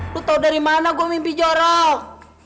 lu tahu dari mana gue mimpi jarang